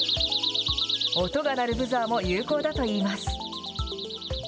音が鳴るブザーも有効だといいます。